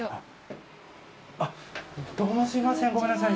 どうもすいませんごめんなさい。